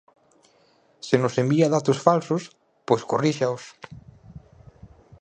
Se nos envía datos falsos, pois corríxaos.